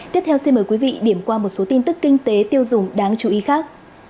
tiếp theo xin mời quý vị điểm qua một số tin tức kinh tế tiêu dùng đáng chú ý khác